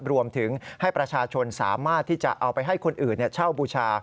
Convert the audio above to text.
รวมถึงให้ประชาชนสามารถที่จะเอาไปให้คนอื่นเช่าบูชา